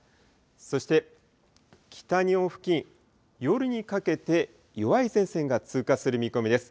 そして北日本付近、夜にかけて、弱い前線が通過する見込みです。